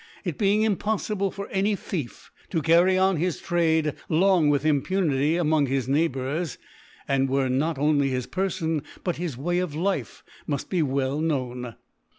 t being impoffible for any Thief to carry on his Trade long with Impunity among his Neighbours, and where not only his Pcrfon, but his Way of Life, muft be well known.